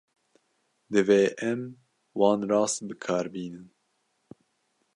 Divê em wan rast bi kar bînin.